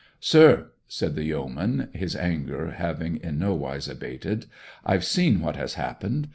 'Sir!' said the yeoman, his anger having in no wise abated, 'I've seen what has happened!